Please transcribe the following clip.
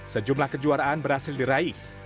sejumlah kejuaraan berhasil diraih